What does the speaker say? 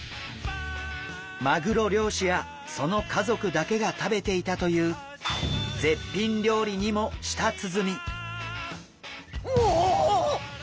マグロ漁師やその家族だけが食べていたという絶品料理にも舌鼓。